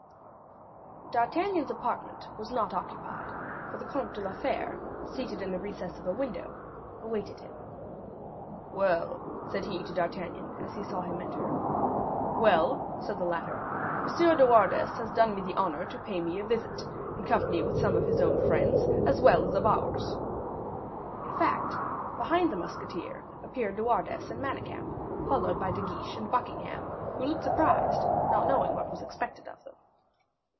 D'Artagnan's apartment was not unoccupied; for the Comte de la Fere, seated in the recess of a window, awaited him. "Well," said he to D'Artagnan, as he saw him enter. "Well," said the latter, "M. de Wardes has done me the honor to pay me a visit, in company with some of his own friends, as well as of ours." In fact, behind the musketeer appeared De Wardes and Manicamp, followed by De Guiche and Buckingham, who looked surprised, not knowing what was expected of them.